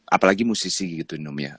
apalagi musisi gitu num ya